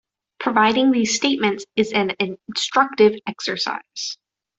Proving these statements is an instructive exercise.